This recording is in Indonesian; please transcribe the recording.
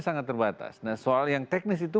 sangat terbatas nah soal yang teknis itu